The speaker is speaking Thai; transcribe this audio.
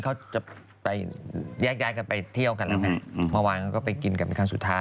กลัวว่าผมจะต้องไปพูดให้ปากคำกับตำรวจยังไง